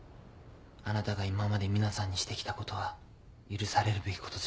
あなたが今までミナさんにしてきたことは許されるべきことじゃありません。